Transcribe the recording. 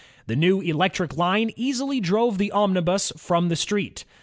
The new electric line easily drove the onmibus from the street.